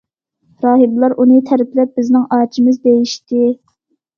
راھىبلار ئۇنى تەرىپلەپ« بىزنىڭ ئاچىمىز» دېيىشتى.